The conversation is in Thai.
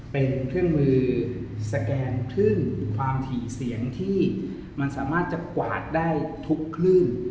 เป็นเครื่องมือสแกนคลื่นความถี่เสียงที่มันสามารถจะกวาดได้ทุกคลื่น